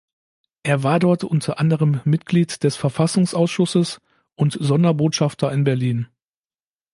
Er war dort unter anderem Mitglied des Verfassungsausschusses und Sonderbotschafter in Berlin.